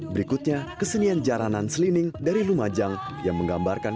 berikutnya kesenian jaranan slining dari lumajang yang menggambarkan